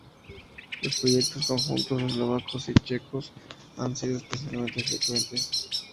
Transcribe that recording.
Los proyectos conjuntos eslovacos y checos han sido especialmente frecuentes.